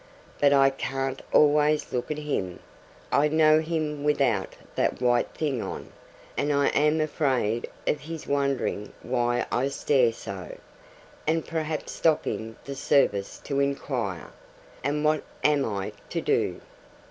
But I can't always look at him I know him without that white thing on, and I am afraid of his wondering why I stare so, and perhaps stopping the service to inquire and what am I to do?